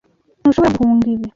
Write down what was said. Ntushobora guhunga ibi.